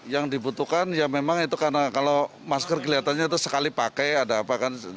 yang dibutuhkan ya memang itu karena kalau masker kelihatannya itu sekali pakai ada apa kan